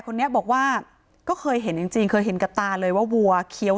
คนนี้บอกว่าก็เคยเห็นจริงจริงเคยเห็นกับตาเลยว่าวัวเคี้ยว